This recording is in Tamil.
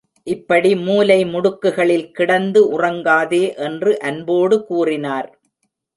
இப்படி மூலை முடுக்குகளில் கிடந்து உறங்காதே என்று அன்போடு கூறினார்.